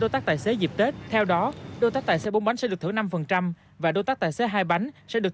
đối tác tài xế dịp tết theo đó đối tác tài xế bốn bánh sẽ được thưởng năm và đối tác tài xế hai bánh sẽ được